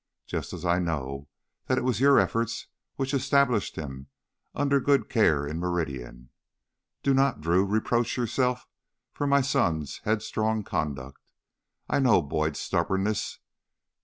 Just as I know that it was your efforts which established him under good care in Meridian. Do not, Drew, reproach yourself for my son's headstrong conduct. I know Boyd's stubbornness.